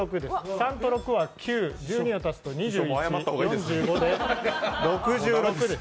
３と６は９、１２を足すと２１、４５で６６です。